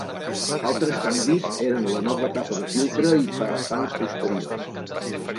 Altres canvis eren la nova tapa de filtre i parafang posterior.